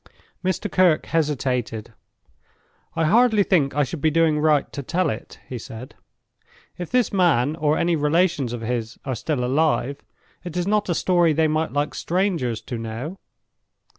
Mr. Kirke hesitated. "I hardly think I should be doing right to tell it," he said. "If this man, or any relations of his, are still alive, it is not a story they might like strangers to know.